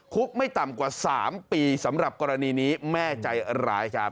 คุกไม่ต่ำกว่า๓ปีสำหรับกรณีนี้แม่ใจร้ายครับ